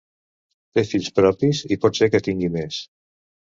Té fills propis, i pot ser que tingui més.